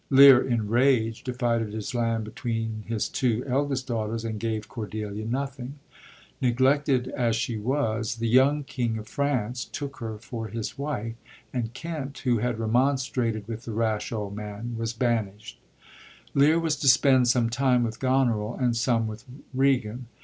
Lear, in rage, divided his land between his two eldest daughters, and gave Cordelia nothing. Neglected as she was. the young King of France took her for his wife, and Kent, who had remonstrated with the rash old man, was banisht. Lear was to spend some time with Goneril, and some with Regan.